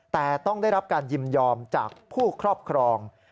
แต่ต้องได้รับการยินยอมจากผู้ครอบครอง